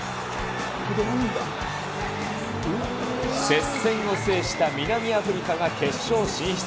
接戦を制した南アフリカが決勝進出。